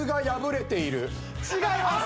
違います。